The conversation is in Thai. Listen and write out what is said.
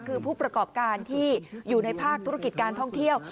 คือผู้ประกอบการที่อยู่ในภาคธุรกิจการท่องเที่ยว